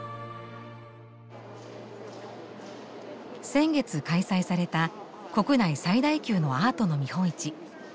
先月開催された国内最大級のアートの見本市。